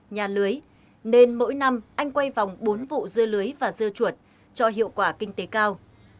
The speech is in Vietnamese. nhà lưới nên mỗi năm anh quay vòng bốn vụ dưa lưới và dưa chuột cho hiệu quả kinh tế cao